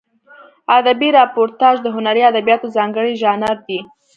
ادبي راپورتاژ د هنري ادبیاتو ځانګړی ژانر دی.